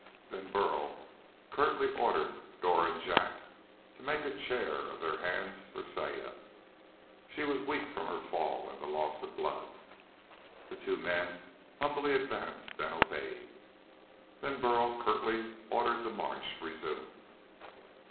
Then Burl curtly ordered Dor and Jak to make a chair of their hands for Saya. She was weak from her fall and the loss of blood. The two men humbly advanced and obeyed. Then Burl curtly ordered the march resumed.